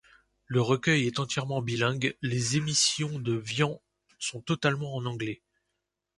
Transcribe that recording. Le recueil est entièrement bilingue, les émissions de Vian sont totalement en anglais.